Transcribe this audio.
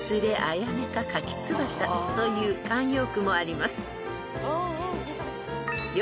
［という慣用句もあります］